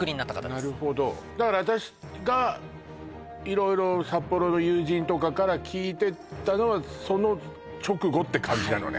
なるほどだから私が色々札幌の友人とかから聞いてたのはその直後って感じなのね